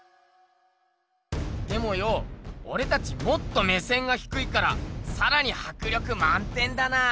でもよおれたちもっと目線がひくいからさらにはくりょくまん点だなあ！